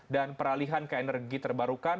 dan peralihan ke energi terbarukan